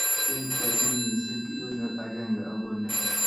Kiyait kasit missing kingonyor agenge akonde